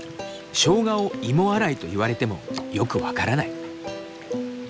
しょうがを芋洗いと言われてもよく分からない。